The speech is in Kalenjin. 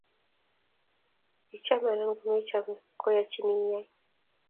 ichame anan komechome koyachin iyai